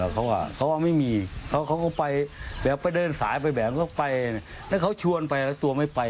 เขาก็ไปเบบไปเดินสายแบบก็ไปนั้นเขาชวนไปแล้วตัวไม่ไป